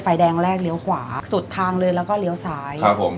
แดงแรกเลี้ยวขวาสุดทางเลยแล้วก็เลี้ยวซ้ายครับผม